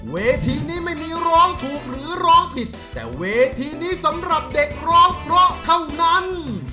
เวทีนี้ไม่มีร้องถูกหรือร้องผิดแต่เวทีนี้สำหรับเด็กร้องเพราะเท่านั้น